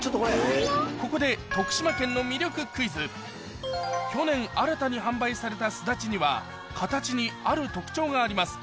ここで去年新たに販売されたすだちには形にある特徴があります